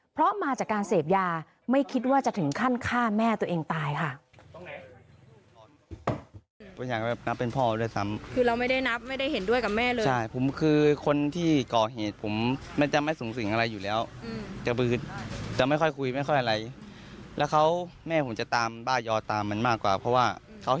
เพราะมาจากการเสพยาไม่คิดว่าจะถึงขั้นฆ่าแม่ตัวเองตายค่ะ